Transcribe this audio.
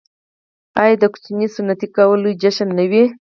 آیا د ماشوم سنتي کول لوی جشن نه وي؟